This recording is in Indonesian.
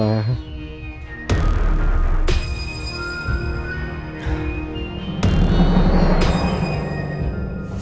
karena nefry anaknya sudah tampil jedechin